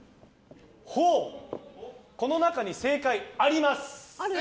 この中に正解、あります。